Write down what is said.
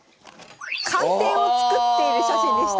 寒天を作っている写真でした。